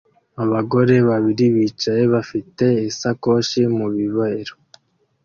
Abagore babiri bicaye bafite isakoshi mu bibero